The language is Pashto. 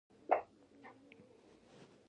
سوالګر ته د ماشوم لاس هم امید وي